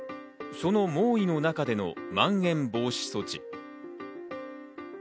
その猛威の中でのまん延防止措置。